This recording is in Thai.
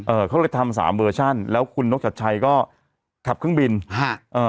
เขาเลยทำสามเวอร์ชั่นแล้วคุณนกชัดชัยก็ขับเครื่องบินฮะเอ่อ